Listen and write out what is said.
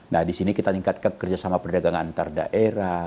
nah disini kita meningkatkan kerjasama perdagangan antar daerah